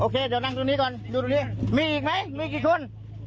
โอเคเดี๋ยวนั่งตรงนี้ก่อนมีอีกไหมมีกี่คน